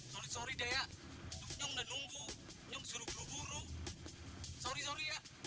sorry katanya nunggu suruh sorry